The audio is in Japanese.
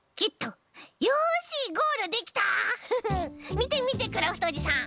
みてみてクラフトおじさん。